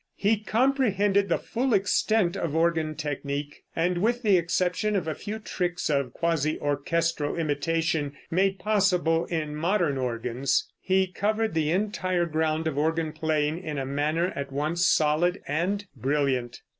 He comprehended the full extent of organ technique, and with the exception of a few tricks of quasi orchestral imitation, made possible in modern organs, he covered the entire ground of organ playing in a manner at once solid and brilliant.